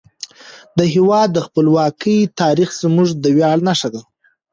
د هیواد د خپلواکۍ تاریخ زموږ د ویاړ نښه ده.